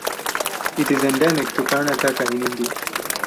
It is endemic to Karnataka in India.